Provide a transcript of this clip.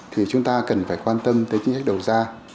thì chúng ta cần phải quan tâm tới chính sách đầu ra